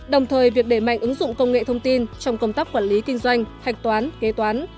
đồng thời việc để mạnh ứng dụng công nghệ thông tin trong công tác quản lý kinh doanh hạch toán kế toán